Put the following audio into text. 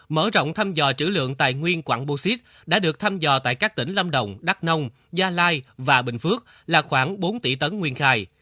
mở rộng thăm dò chữ lượng tài nguyên quặng bô xít đã được thăm dò tại các tỉnh lâm đồng đắk nông gia lai và bình phước là khoảng bốn tỷ tấn nguyên khai